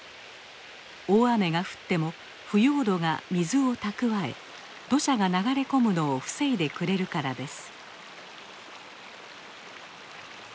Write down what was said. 大雨が降っても腐葉土が水をたくわえ土砂が流れ込むのを防いでくれるからです。